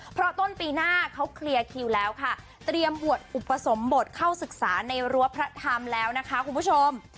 เพราะต้นปีหน้าเขาเคลียร์คิวแล้วค่ะเตรียมบวชอุปสมบทเข้าศึกษาในรั้วพระธรรมแล้วนะคะคุณผู้ชม